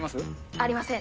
ありません。